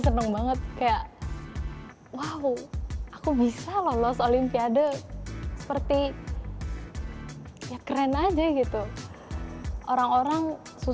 seneng banget kayak wow bye ago bisa lolos outline aarde seperti keren aja begitu orang orang